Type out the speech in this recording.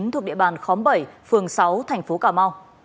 thuộc địa bàn khóm bảy phường sáu tp cm